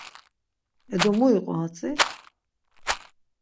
E do mu iqu atzi?